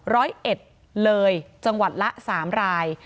ร้อยเอ็ดเลยจังหวัดละ๓ราย